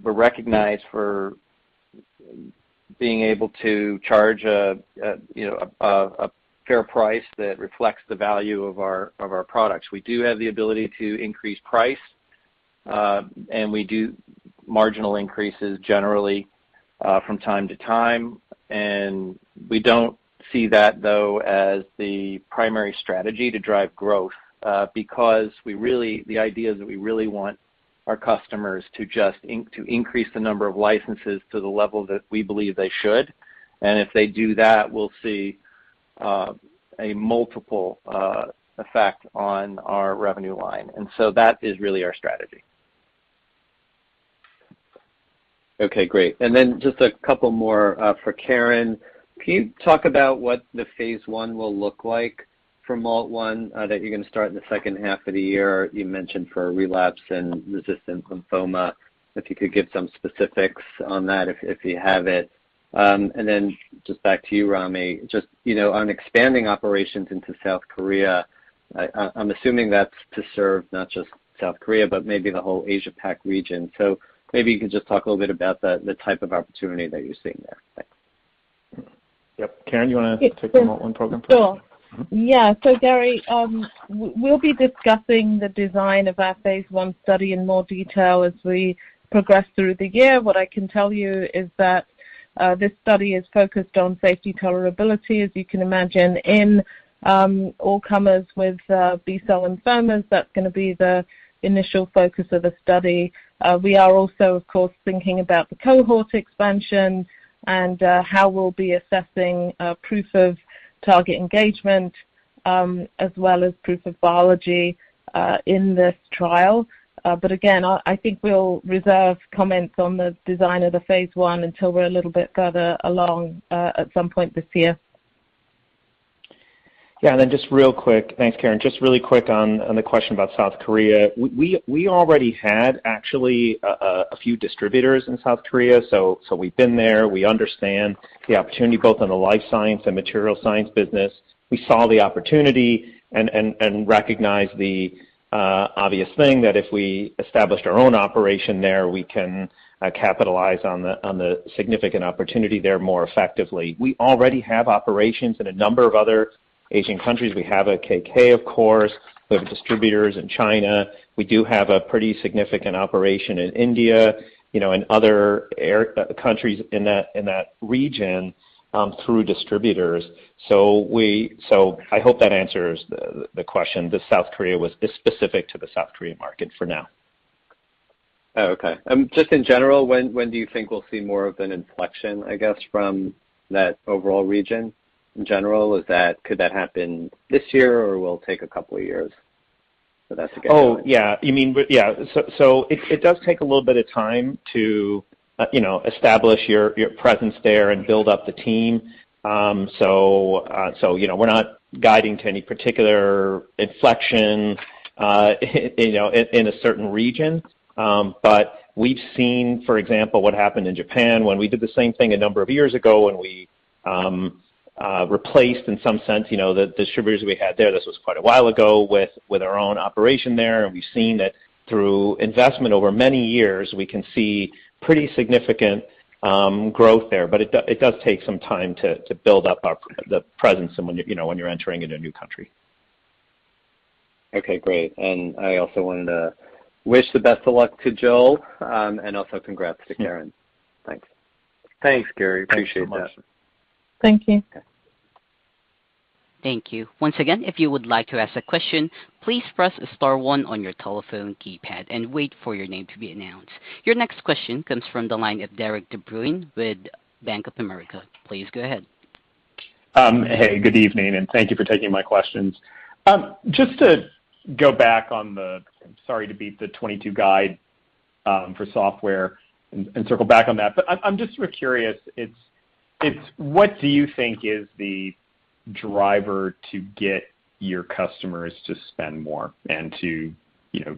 [SPEAKER 3] recognized for being able to charge a, you know, a fair price that reflects the value of our products. We do have the ability to increase price, and we do marginal increases generally from time to time. We don't see that though as the primary strategy to drive growth, because the idea is that we really want our customers to just increase the number of licenses to the level that we believe they should. If they do that, we'll see a multiple effect on our revenue line. That is really our strategy.
[SPEAKER 9] Okay, great. Then just a couple more for Karen. Can you talk about what the phase I will look like for MALT1 that you're gonna start in the second half of the year, you mentioned for relapsed and resistant lymphoma. If you could give some specifics on that if you have it. And then just back to you, Ramy. Just you know on expanding operations into South Korea. I'm assuming that's to serve not just South Korea, but maybe the whole Asia PAC region. So maybe you could just talk a little bit about the type of opportunity that you're seeing there. Thanks.
[SPEAKER 2] Yep. Karen, you wanna take the MALT1 program?
[SPEAKER 1] Sure. Yeah. Gary, we'll be discussing the design of our phase I study in more detail as we progress through the year. What I can tell you is that, this study is focused on safety, tolerability, as you can imagine, in, all comers with, B-cell lymphomas. That's gonna be the initial focus of the study. We are also, of course, thinking about the cohort expansion and, how we'll be assessing, proof of target engagement, as well as proof of biology, in this trial. Again, I think we'll reserve comments on the design of the phase I until we're a little bit further along, at some point this year.
[SPEAKER 3] Yeah. Thanks, Karen. Just really quick on the question about South Korea. We already had actually a few distributors in South Korea. So we've been there. We understand the opportunity both on the life science and material science business. We saw the opportunity and recognized the obvious thing that if we established our own operation there, we can capitalize on the significant opportunity there more effectively. We already have operations in a number of other Asian countries. We have K.K., of course, we have distributors in China. We do have a pretty significant operation in India, you know, and other countries in that region through distributors. So I hope that answers the question. The South Korea was specific to the South Korea market for now.
[SPEAKER 9] Oh, okay. Just in general, when do you think we'll see more of an inflection, I guess, from that overall region in general? Could that happen this year or will it take a couple of years for that to get going?
[SPEAKER 3] Oh, yeah. Yeah. It does take a little bit of time to, you know, establish your presence there and build up the team. We're not guiding to any particular inflection, you know, in a certain region. We've seen, for example, what happened in Japan when we did the same thing a number of years ago when we replaced in some sense, you know, the distributors we had there. This was quite a while ago with our own operation there. We've seen that through investment over many years, we can see pretty significant growth there. It does take some time to build up our presence and when, you know, when you're entering in a new country.
[SPEAKER 9] Okay, great. I also wanted to wish the best of luck to Joel, and also congrats to Karen.
[SPEAKER 2] Thanks.
[SPEAKER 3] Thanks, Gary. I appreciate that.
[SPEAKER 1] Thank you.
[SPEAKER 9] Okay.
[SPEAKER 4] Thank you. Once again, if you would like to ask a question, please press star one on your telephone keypad and wait for your name to be announced. Your next question comes from the line of Derik De Bruin with Bank of America. Please go ahead.
[SPEAKER 10] Hey, good evening, and thank you for taking my questions. Just to go back on the, sorry to beat the 2022 guide, for software and circle back on that, but I'm just sort of curious, it's what do you think is the driver to get your customers to spend more and to, you know,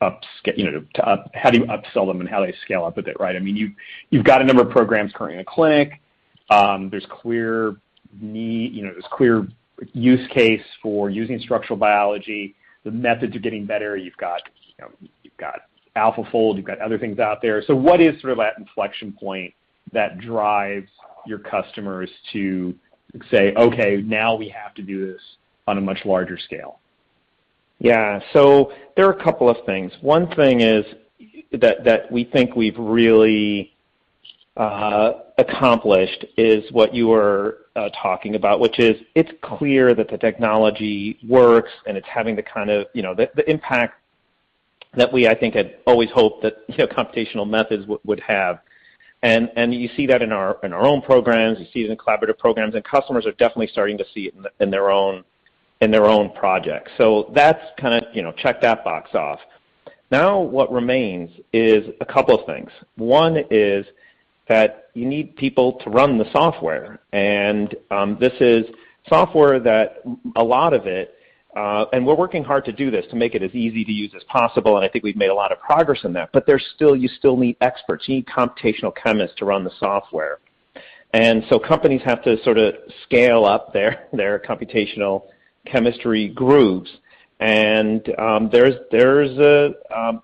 [SPEAKER 10] how do you upsell them and how they scale up with it, right? I mean, you've got a number of programs currently in the clinic. There's clear need, you know, there's clear use case for using structural biology. The methods are getting better. You've got, you know, you've got AlphaFold, you've got other things out there. So what is sort of that inflection point that drives your customers to say, "Okay, now we have to do this on a much larger scale"?
[SPEAKER 2] Yeah. There are a couple of things. One thing is that we think we've really accomplished is what you were talking about, which is it's clear that the technology works and it's having the kind of, you know, the impact that we, I think had always hoped that, you know, computational methods would have. And you see that in our own programs, you see it in collaborative programs, and customers are definitely starting to see it in their own projects. That's kind of, you know, check that box off. Now what remains is a couple of things. One is that you need people to run the software, and this is software, and we're working hard to do this, to make it as easy to use as possible, and I think we've made a lot of progress in that, but you still need experts. You need computational chemists to run the software. You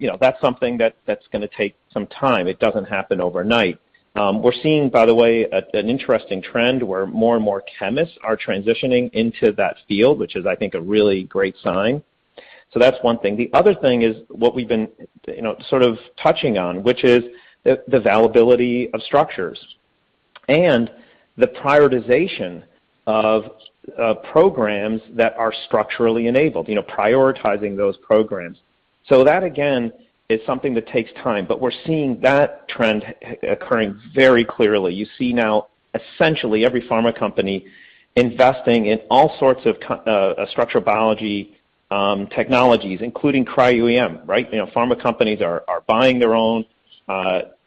[SPEAKER 2] know, that's something that's gonna take some time. It doesn't happen overnight. We're seeing, by the way, an interesting trend where more and more chemists are transitioning into that field, which is I think a really great sign. That's one thing. The other thing is what we've been, you know, sort of touching on, which is the availability of structures and the prioritization of programs that are structurally enabled, you know, prioritizing those programs. That, again, is something that takes time, but we're seeing that trend occurring very clearly. You see now essentially every pharma company investing in all sorts of structural biology technologies, including cryo-EM, right? You know, pharma companies are buying their own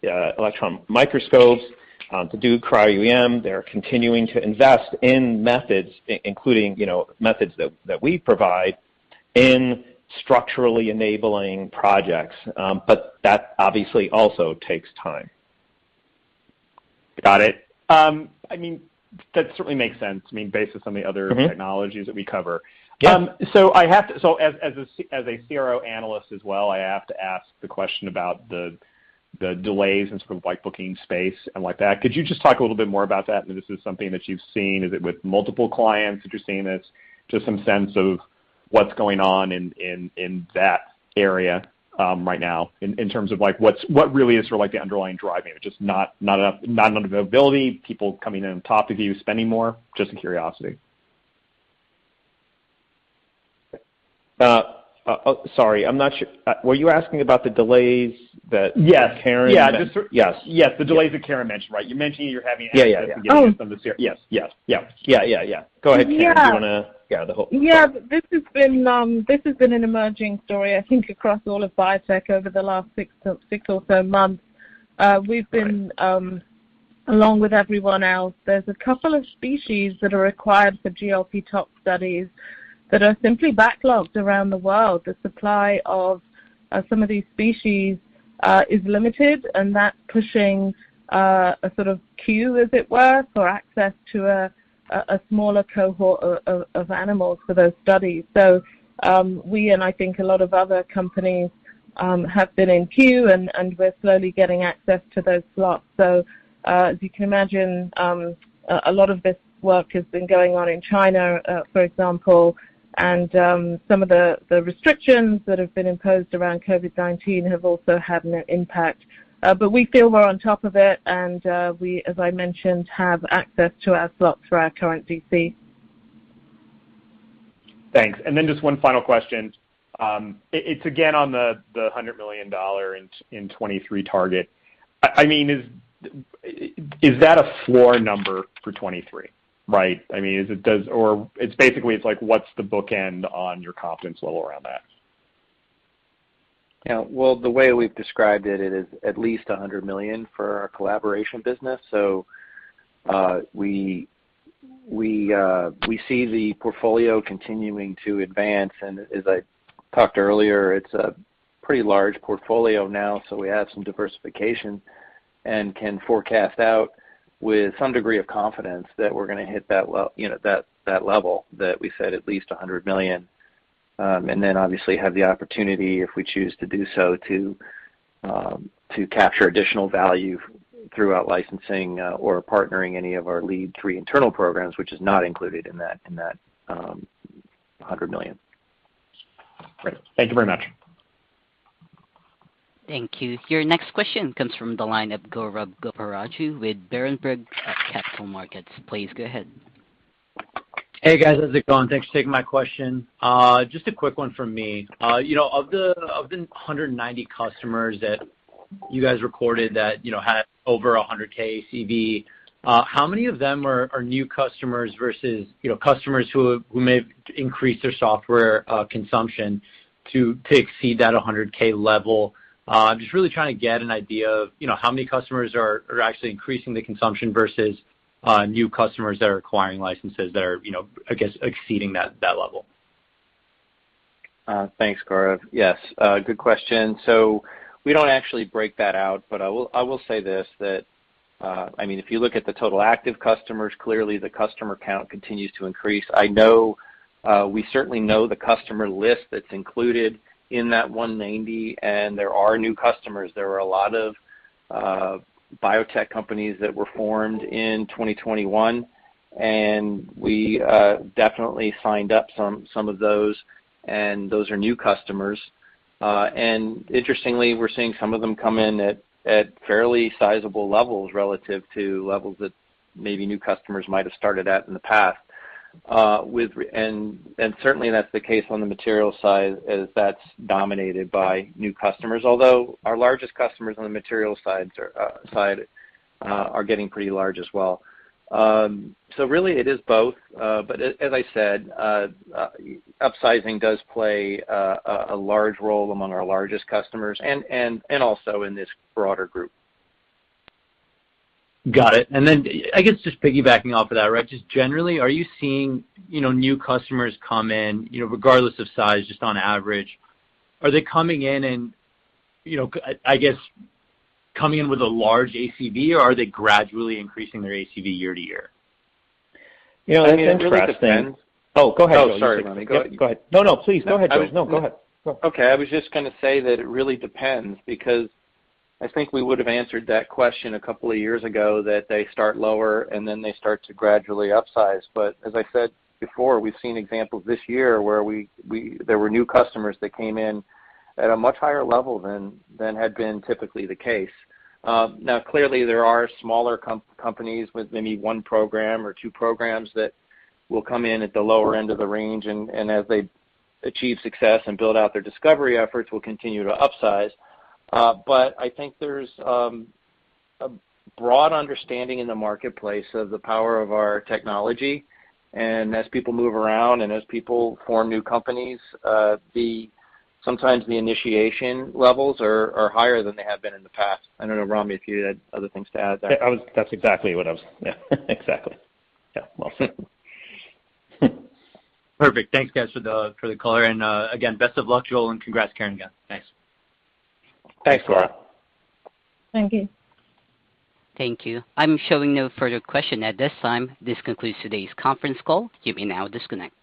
[SPEAKER 2] electron microscopes to do cryo-EM. They're continuing to invest in methods including, you know, methods that we provide in structurally enabling projects. But that obviously also takes time.
[SPEAKER 10] Got it. I mean, that certainly makes sense, I mean, based on some of the other-
[SPEAKER 2] Mm-hmm.
[SPEAKER 10] technologies that we cover.
[SPEAKER 2] Yeah.
[SPEAKER 10] As a CRO analyst as well, I have to ask the question about the delays in sort of like booking space and like that. Could you just talk a little bit more about that? This is something that you've seen, is it with multiple clients that you're seeing this? Just some sense of what's going on in that area right now in terms of like what really is sort of like the underlying driving it? Just not enough availability, people coming in on top of you, spending more? Just in curiosity.
[SPEAKER 2] Sorry. Were you asking about the delays that-
[SPEAKER 10] Yes.
[SPEAKER 2] Karen mentioned?
[SPEAKER 10] Yeah.
[SPEAKER 2] Yes.
[SPEAKER 10] Yes. The delays that Karen mentioned, right? You mentioned you're having access-
[SPEAKER 2] Yeah. Yeah.
[SPEAKER 10] At the beginning of this year. Yes. Yes. Yeah. Yeah. Yeah. Yeah. Go ahead, Karen.
[SPEAKER 1] Yeah.
[SPEAKER 10] Do you wanna? Yeah Yeah. This has been an emerging story, I think across all of biotech over the last six or so months. We've been along with everyone else, there's a couple of species that are required for GLP tox studies that are simply backlogged around the world. The supply of some of these species is limited, and that's pushing a sort of queue, as it were, for access to a smaller cohort of animals for those studies. We and I think a lot of other companies have been in queue and we're slowly getting access to those slots. As you can imagine, a lot of this work has been going on in China, for example.
[SPEAKER 1] Some of the restrictions that have been imposed around COVID-19 have also had an impact. We feel we're on top of it, and we, as I mentioned, have access to our slots for our current DC.
[SPEAKER 10] Thanks. Just one final question. It's again on the $100 million in 2023 target. I mean, is that a floor number for 2023, right? I mean, is it or it's basically like what's the bookend on your confidence level around that?
[SPEAKER 2] Yeah. Well, the way we've described it is at least $100 million for our collaboration business. We see the portfolio continuing to advance. As I talked earlier, it's a pretty large portfolio now, so we have some diversification and can forecast out with some degree of confidence that we're gonna hit that level that we said at least $100 million. We obviously have the opportunity, if we choose to do so, to capture additional value throughout licensing or partnering any of our lead three internal programs, which is not included in that $100 million.
[SPEAKER 10] Great. Thank you very much.
[SPEAKER 4] Thank you. Your next question comes from the line of Gaurav Goparaju with Berenberg Capital Markets. Please go ahead.
[SPEAKER 11] Hey, guys. How's it going? Thanks for taking my question. Just a quick one from me. You know, of the 190 customers that you guys recorded that, you know, had over $100,000 ACV, how many of them are new customers versus, you know, customers who may increase their software consumption to exceed that $100,000 Level? I'm just really trying to get an idea of, you know, how many customers are actually increasing the consumption versus new customers that are acquiring licenses that are? You know, I guess, exceeding that level.
[SPEAKER 3] Thanks, Gaurav. Yes, good question. We don't actually break that out, but I will say this, I mean, if you look at the total active customers, clearly the customer count continues to increase. I know, we certainly know the customer list that's included in that 190, and there are new customers. There are a lot of biotech companies that were formed in 2021. We definitely signed up some of those, and those are new customers. Interestingly, we're seeing some of them come in at fairly sizable levels relative to levels that maybe new customers might have started at in the past. Certainly that's the case on the material side as that's dominated by new customers. Although our largest customers on the material side are getting pretty large as well. Really it is both. As I said, upsizing does play a large role among our largest customers and also in this broader group.
[SPEAKER 11] Got it. I guess just piggybacking off of that, right, just generally, are you seeing, you know, new customers come in, you know, regardless of size, just on average, are they coming in and, you know, I guess coming in with a large ACV or are they gradually increasing their ACV year to year?
[SPEAKER 3] You know, I mean, it really depends. Interesting.
[SPEAKER 2] Oh, go ahead, Joel.
[SPEAKER 3] Oh, sorry, Ramy. Go ahead.
[SPEAKER 2] No, no. Please. Go ahead, Joel. No, go ahead.
[SPEAKER 3] Okay. I was just gonna say that it really depends because I think we would have answered that question a couple of years ago that they start lower and then they start to gradually upsize. As I said before, we've seen examples this year where there were new customers that came in at a much higher level than had been typically the case. Now clearly there are smaller companies with maybe one program or two programs that will come in at the lower end of the range, and as they achieve success and build out their discovery efforts, we'll continue to upsize. I think there's a broad understanding in the marketplace of the power of our technology. As people move around and as people form new companies, sometimes the initiation levels are higher than they have been in the past. I don't know, Ramy, if you had other things to add there.
[SPEAKER 2] That's exactly what I was. Yeah, exactly. Yeah. Well said.
[SPEAKER 11] Perfect. Thanks, guys, for the color and again, best of luck, Joel, and congrats, Karen, again. Thanks.
[SPEAKER 3] Thanks, Gaurav.
[SPEAKER 1] Thank you.
[SPEAKER 4] Thank you. I'm showing no further question at this time. This concludes today's conference call. You may now disconnect.